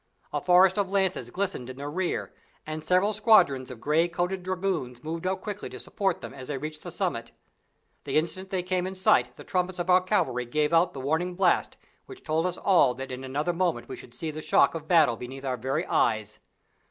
A forest of lances glistened in their rear, and several squadrons of gray coated dragoons moved up quickly to support them as they reached the summit. The instant they came in sight the trumpets of our cavalry gave out the warning blast which told us all that in another moment we should see the shock of battle beneath our very eyes.